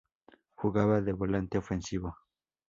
Jugaba de volante ofensivo.